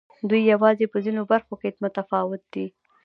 دوی یوازې په ځینو برخو کې متفاوت دي.